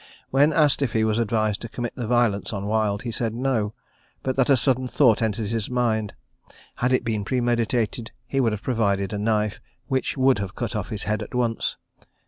When asked if he was advised to commit the violence on Wild, he said No; but that a sudden thought entered his mind: had it been premeditated, he would have provided a knife, which would have cut off his head at once.